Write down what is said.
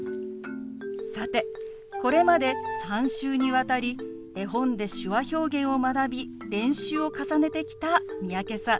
さてこれまで３週にわたり絵本で手話表現を学び練習を重ねてきた三宅さん。